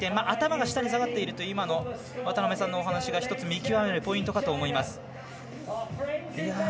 頭が下に下がっているという渡辺さんの今のお話が１つ見極めるポイントかと思います。